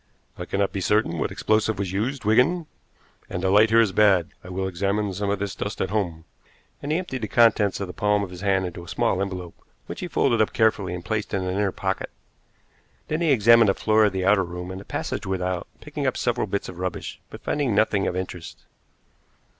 "I cannot be certain what explosive was used, Wigan, and the light here is bad. I will examine some of this dust at home," and he emptied the contents of the palm of his hand into a small envelope, which he folded up carefully and placed in an inner pocket. Then he examined the floor of the outer room, and the passage without, picking up several bits of rubbish, but finding nothing of interest.